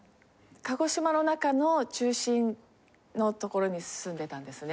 鹿児島の中の中心の所に住んでたんですね。